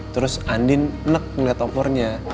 terus andi ngek ngeliat opornya